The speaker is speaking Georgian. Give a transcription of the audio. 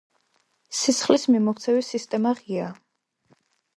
სისხლის მიმოქცევის სისტემა ღიაა.